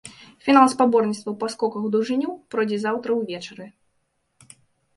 Фінал спаборніцтваў па скоках у даўжыню пройдзе заўтра ўвечары.